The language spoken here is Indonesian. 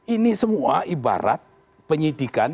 ini semua ibarat penyidikan